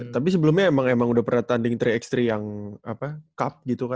tapi sebelumnya emang emang udah pernah tanding tiga x tiga yang cup gitu kan